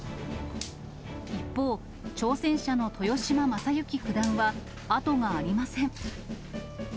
一方、挑戦者の豊島将之九段は、後がありません。